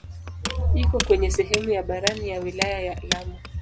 Iko kwenye sehemu ya barani ya wilaya ya Lamu.